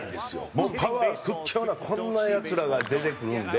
もうパワー屈強なこんなヤツらが出てくるんで。